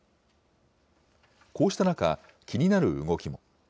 こうした中、気になる動きも。